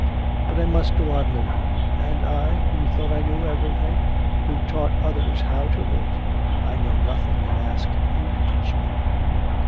'But I must go on living. And I, who thought I knew everything, who taught others how to live I know nothing and ask you to teach me.